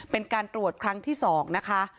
เป็นการตรวจครั้งที่๒นะคะ